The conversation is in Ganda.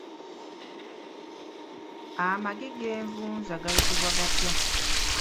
Amagi g'envunza gayitibwa gatya?